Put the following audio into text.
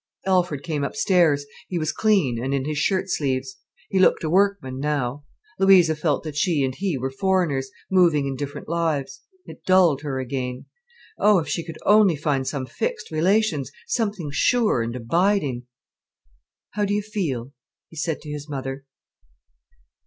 Alfred came upstairs. He was clean, and in his shirt sleeves. He looked a workman now. Louisa felt that she and he were foreigners, moving in different lives. It dulled her again. Oh, if she could only find some fixed relations, something sure and abiding. "How do you feel?" he said to his mother.